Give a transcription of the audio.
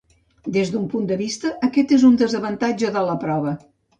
Des d'un punt de vista, aquest és un desavantatge de la prova.